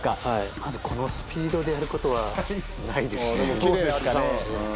まずこのスピードでやることはないですね・